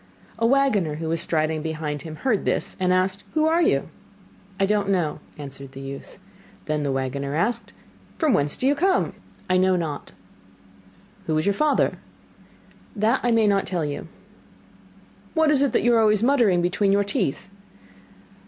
A waggoner who was striding behind him heard this and asked: 'Who are you?' 'I don't know,' answered the youth. Then the waggoner asked: 'From whence do you come?' 'I know not.' 'Who is your father?' 'That I may not tell you.' 'What is it that you are always muttering between your teeth?